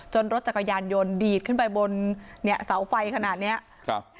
รถจักรยานยนต์ดีดขึ้นไปบนเนี่ยเสาไฟขนาดเนี้ยครับ